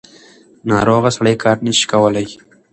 ناروغه سړی کار نشي کولی.